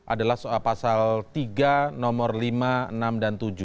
adalah soal pasal tiga nomor lima enam dan tujuh